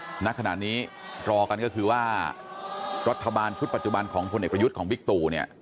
ณขณะนี้รอกันก็คือว่ารัฐบาลชุดปัจจุบันของพลเอกประยุทธ์ของบิ๊กตู่เนี่ย